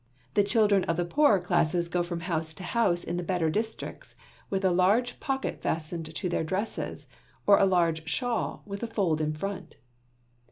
The children of the poorer classes go from house to house in the better districts, with a large pocket fastened to their dresses, or a large shawl with a fold in front.